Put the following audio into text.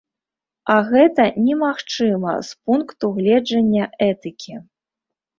А гэта немагчыма з пункту гледжання этыкі.